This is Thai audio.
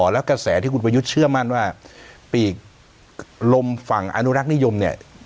แล้วกระแสที่คุณประยุทธ์เชื่อมั่นว่าปีกลมฝั่งอนุรักษ์นิยมเนี่ย